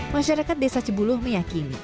masyarakat desa cibuluh meyakini